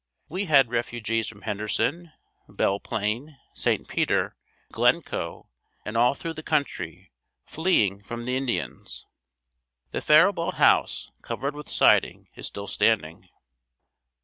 We had refugees from Henderson, Belle Plaine, St. Peter, Glencoe, and all through the country, fleeing from the Indians. The Faribault House, covered with siding, is still standing.